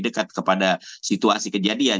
dekat kepada situasi kejadian